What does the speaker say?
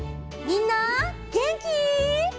みんなげんき？